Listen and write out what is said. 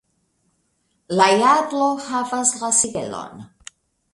La jarlo havas la sigelon.